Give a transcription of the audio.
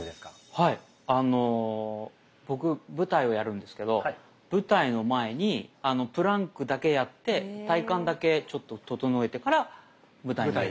はいあの僕舞台をやるんですけど舞台の前にプランクだけやって体幹だけちょっと整えてから舞台にうん。